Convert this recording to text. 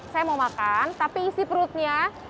saya mau makan tapi isi perutnya